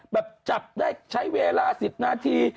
แบบจับได้ใช้เวลา๑๐นาที